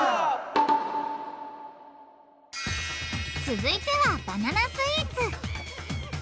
続いてはバナナスイーツ。